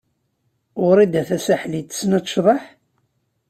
Wrida Tasaḥlit tessen ad tecḍeḥ?